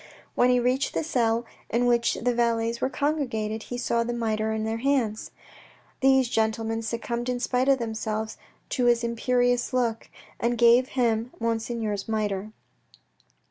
When he reached the cell in which the valets were congregated, he saw the mitre in their hands. These gentlemen succumbed in spite of themselves to his imperious look, and gave him Monseigneur's mitre.